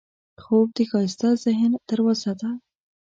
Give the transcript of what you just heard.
خوب د ښایسته ذهن دروازه ده